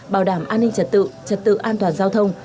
bảo đảm an ninh trật tự trật tự an toàn giao thông